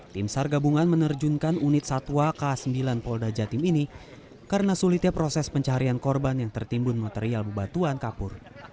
tim sar gabungan menerjunkan unit satwa k sembilan polda jatim ini karena sulitnya proses pencarian korban yang tertimbun material bebatuan kapur